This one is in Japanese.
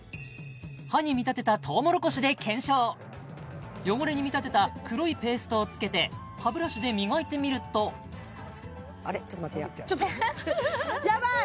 歯に見立てたとうもろこしで検証汚れに見立てた黒いペーストをつけて歯ブラシで磨いてみるとあれちょっと待ってやちょっと待ってヤバい！